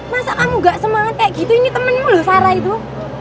masa kamu gak semangat kayak gitu ini temenmu loh sarah itu